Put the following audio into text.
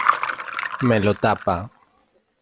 Me lo tapa.